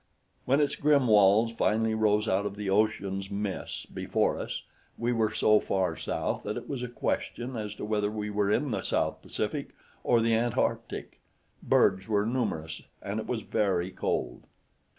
When its grim walls finally rose out of the ocean's mists before us, we were so far south that it was a question as to whether we were in the South Pacific or the Antarctic. Bergs were numerous, and it was very cold.